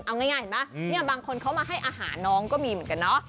เอาง่ายเห็นไหมเนี่ยบางคนเขามาให้อาหารน้องก็มีเหมือนกันเนาะ